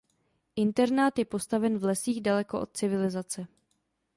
Internát je postaven v lesích daleko od civilizace.